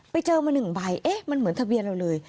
ไปเจอมา๑ใบเอ๊ะมันเหมือนทะเบียนเราเลย